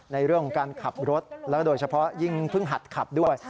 ในเรื่องของการขับรถแล้วโดยเฉพาะยิ่งเพิ่งหัดขับด้วย